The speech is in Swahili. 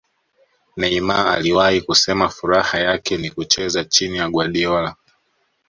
Neymar aliwahi kusema furaha yake ni kuchrza chini ya Guardiola